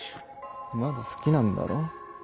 まだ好きなんだろ？